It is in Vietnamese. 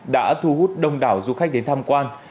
đã thu hút đông đảo du khách đến tham quan